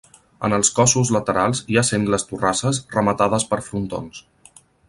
En els cossos laterals hi ha sengles torrasses rematades per frontons.